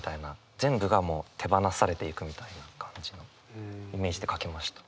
全部が手放されていくみたいな感じのイメージで書きました。